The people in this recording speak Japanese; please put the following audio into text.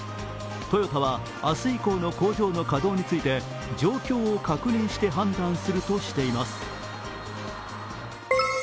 トヨタは明日以降の工場の稼働について状況を確認して判断するとしています。